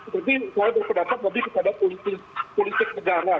tapi saya berpendapat lebih kepada politik negara